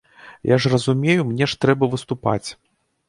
Я ж разумею, мне ж трэба выступаць.